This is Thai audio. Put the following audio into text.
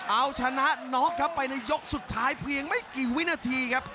เอาชนะน็อกครับไปในยกสุดท้ายเพียงไม่กี่วินาทีครับ